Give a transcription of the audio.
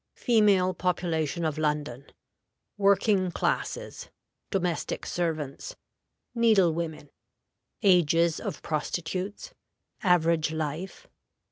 Female Population of London. Working Classes. Domestic Servants. Needlewomen. Ages of Prostitutes. Average Life.